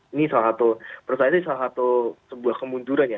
ini salah satu perusahaan ini salah satu sebuah kemunjuran ya